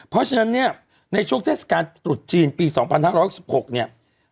เพราะฉะนั้นเนี่ยในช่วงเทศกาลตรุษจีนปี๒๕๖๖เนี่ย